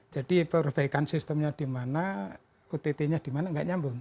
jadi perbaikan sistemnya dimana ott nya dimana gak nyambung